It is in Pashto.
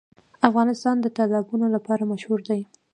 افغانستان د تالابونه لپاره مشهور دی.